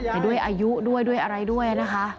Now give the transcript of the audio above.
แต่ด้วยอายุด้วยด้วยอะไรด้วยนะคะ